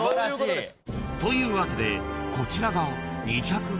［というわけでこちらが］